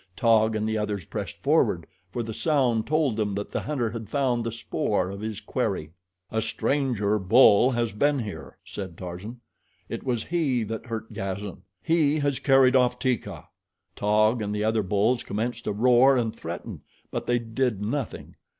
Taug and the others pressed forward, for the sound told them that the hunter had found the spoor of his quarry. "A stranger bull has been here," said Tarzan. "It was he that hurt Gazan. He has carried off Teeka." Taug and the other bulls commenced to roar and threaten; but they did nothing.